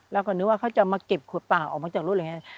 แล้วก็นึกว่าเขาจะมาเก็บขวดเปล่าออกมาจากรถเลย